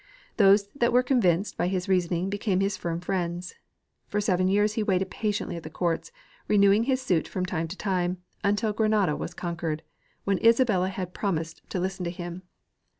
Those that were convinced by his reasoning became his firm friends. For seven years he waited patiently at the court, renewing his suit from time to time, until Grenada was conquered, when Isabella had promised to listen to him.